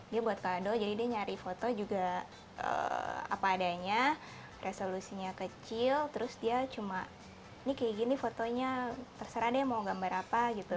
dia buat kado jadi dia nyari foto juga apa adanya resolusinya kecil terus dia cuma ini kayak gini fotonya terserah deh mau gambar apa gitu